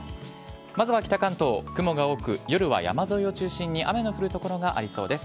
まずは北関東、雲が多く、夜は山沿いを中心に雨が降る所がありそうです。